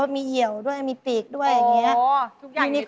มีเหี่ยวด้วยมีปีกด้วยอย่างนี้